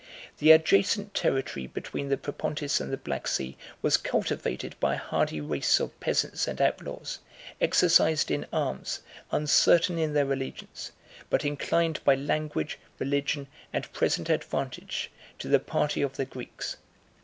The adjacent territory between the Propontis and the Black Sea was cultivated by a hardy race of peasants and outlaws, exercised in arms, uncertain in their allegiance, but inclined by language, religion, and present advantage, to the party of the Greeks.